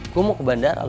gue mau ke bandara lu